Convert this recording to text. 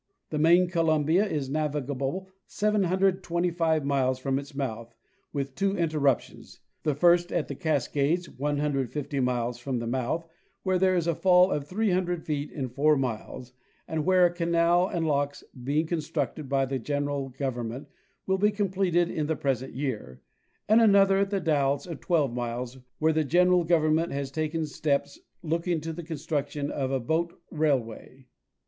The main Columbia is navigable 725 miles from its mouth, with two interruptions—the first at the Cascades, 150 miles from the mouth, where there is a fall of 500 feet in four miles and where a canal and locks, being constructed by the general government, will be completed in the present year; and another at The Dalles of twelve miles, where the general govern ment has taken steps looking to the construction of a boat rail way.